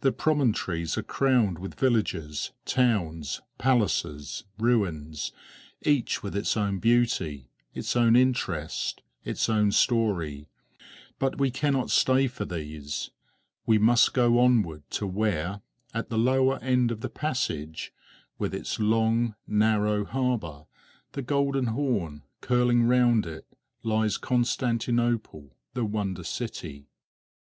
The promontories are crowned with villages, towns, palaces, ruins, each with its own beauty, its own interest, its own story; but we cannot stay for these; we must go onward to where, at the lower end of the passage, with its long, narrow harbor, the Golden Horn, curling round it, lies Constantinople, the wonder city.